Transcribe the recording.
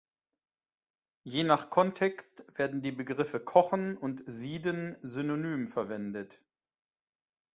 Je nach Kontext werden die Begriffe „kochen“ und „sieden“ synonym verwendet.